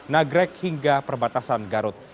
nagrek hingga perbatasan garut